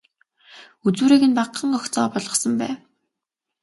Үзүүрийг нь багахан гогцоо болгосон байв.